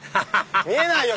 見えないよ